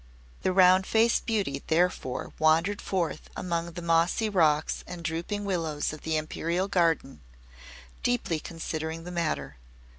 The Round Faced Beauty therefore wandered forth among the mossy rocks and drooping willows of the Imperial Garden, deeply considering the matter.